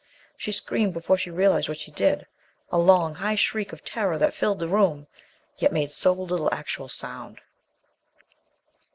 She screamed before she realized what she did a long, high shriek of terror that filled the room, yet made so little actual sound.